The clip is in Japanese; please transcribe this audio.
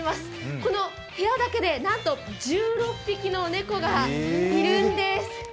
この部屋だけで、なんと１６匹の猫がいるんです。